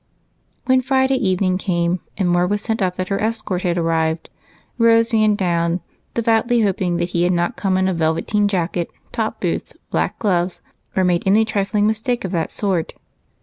When Friday evening came and word was sent up that her escort had arrived, Rose ran down, devoutly hoping that he had not come in a velveteen jacket, top boots, black gloves, or made any trifling mistake of that sort.